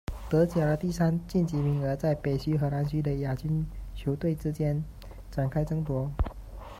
德甲的第三个晋级名额在北区和南区的亚军球队之间展开争夺。